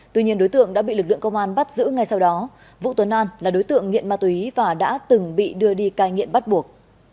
tuy nhiên đối tượng đã bị lực lượng công an bắt giữ ngay sau đó vũ tuấn an là đối tượng nghiện ma túy và đã từng bị đưa đi cai nghiện bắt buộc